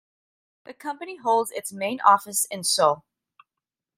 The company holds its main office in Seoul.